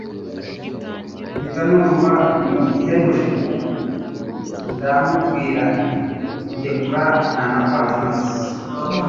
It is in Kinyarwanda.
mpita numva ni Henry ndamubwira nti ndekura nanakwanze maze